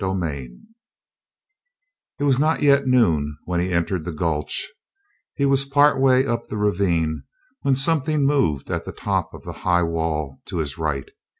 CHAPTER 34 It was not yet noon when he entered the gulch, he was part way up the ravine when something moved at the top of the high wall to his right.